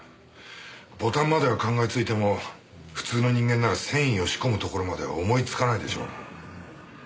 ボタンまでは考えついても普通の人間なら繊維を仕込むところまでは思いつかないでしょう。